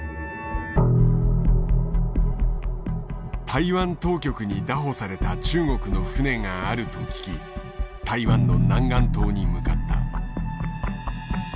台湾当局に拿捕された中国の船があると聞き台湾の南竿島に向かった。